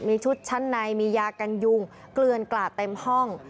มีชุดชั้นในมียากันยุงเกลือนกลาดเต็มห้อง